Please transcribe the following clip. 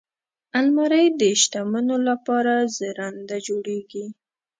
الماري د شتمنو لپاره زرینده جوړیږي